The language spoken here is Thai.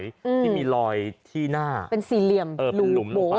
ที่มีรอยที่หน้าเป็นสี่เหลี่ยมหลุมลงไป